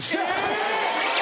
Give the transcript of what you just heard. え！